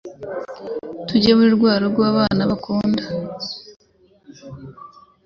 Tujye muri rwa rugo abana bakunda